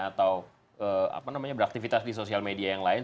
atau beraktivitas di sosial media yang lain